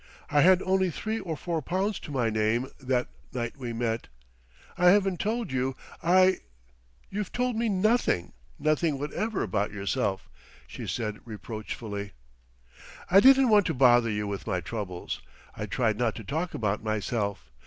"I had only three or four pounds to my name that night we met.... I haven't told you I " "You've told me nothing, nothing whatever about yourself," she said reproachfully. "I didn't want to bother you with my troubles; I tried not to talk about myself....